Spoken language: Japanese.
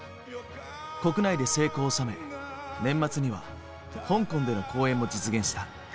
国内で成功を収め年末には香港での公演も実現した。